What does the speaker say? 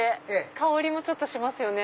香りもちょっとしますよね。